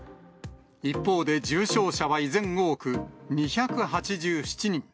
一方で重症者は依然多く、２８７人。